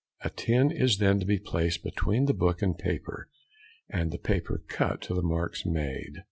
A tin is then to be placed between the book and paper, and the paper cut to the marks made.